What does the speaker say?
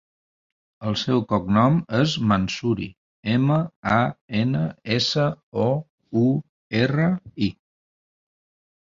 El seu cognom és Mansouri: ema, a, ena, essa, o, u, erra, i.